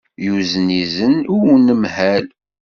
Yuzen izen i unemhal.